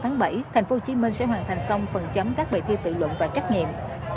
tp hcm sẽ hoàn thành xong phần chấm các bài thi tự luận và trắc nghiệm